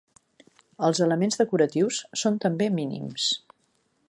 Els elements decoratius són també mínims.